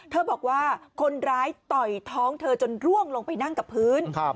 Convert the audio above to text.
บอกว่าคนร้ายต่อยท้องเธอจนร่วงลงไปนั่งกับพื้น